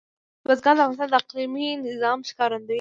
بزګان د افغانستان د اقلیمي نظام ښکارندوی ده.